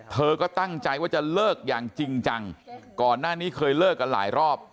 เธอก็ตั้งใจว่าจะเลิกอย่างจริงจังก่อนหน้านี้เคยเลิกกันหลายรอบ